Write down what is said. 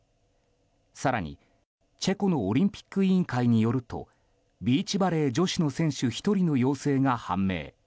更にチェコのオリンピック委員会によるとビーチバレー女子の選手１人の陽性が判明。